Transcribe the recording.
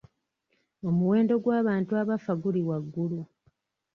Omuwendo gw'abantu abafa guli waggulu.